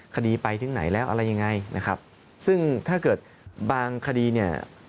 คดีไปถึงไหนแล้วอะไรยังไงนะครับซึ่งถ้าเกิดบางคดีเนี่ย